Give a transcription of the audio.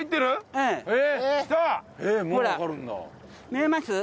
見えます？